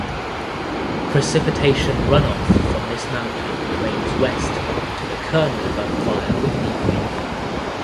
Precipitation runoff from this mountain drains west to the Kern River via Whitney Creek.